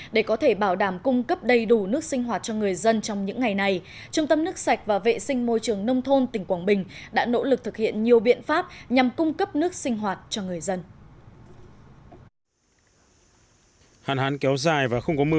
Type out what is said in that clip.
để có thể bảo đảm cung cấp đầy đủ nước sinh hoạt cho người dân trong những ngày này trung tâm nước sạch và vệ sinh môi trường nông thôn tỉnh quảng bình đã nỗ lực thực hiện nhiều biện pháp nhằm cung cấp nước sinh hoạt cho người dân